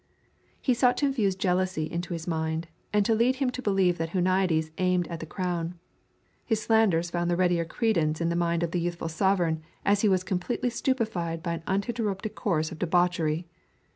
He sought to infuse jealousy into his mind and to lead him to believe that Huniades aimed at the crown. His slanders found the readier credence in the mind of the youthful sovereign as he was completely stupefied by an uninterrupted course of debauchery.